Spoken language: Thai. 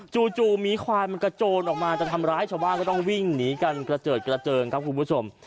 จู่หมีควายมันกระโจนออกมาจะทำร้ายชาวบ้านก็ต้องวิ่งหนีกันกระเจิดกระเจิงครับคุณผู้ชม